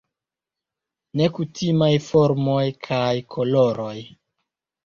Nekutimaj formoj kaj koloroj.